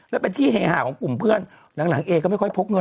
แล้วเป็นที่แห่งห่าของกลุ่มเพื่อนหลังแอก็ไม่ค่อยพกด้วย